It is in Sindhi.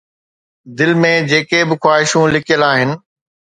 دل ۾ جيڪي به خواهشون لڪيل آهن